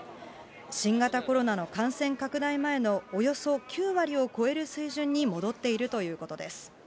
新型コロナの感染拡大前のおよそ９割を超える水準に戻っているということです。